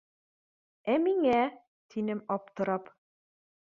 — Ә миңә? — тинем аптырам.